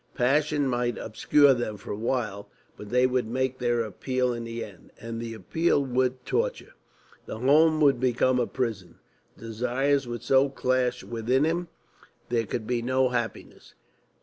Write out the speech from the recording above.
Passion might obscure them for a while, but they would make their appeal in the end, and the appeal would torture. The home would become a prison. Desires would so clash within him, there could be no happiness.